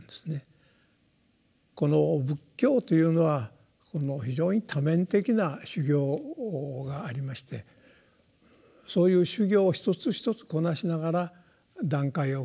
この仏教というのは非常に多面的な修行がありましてそういう修行を一つ一つこなしながら段階を踏んでこの悟りへの道を歩むと。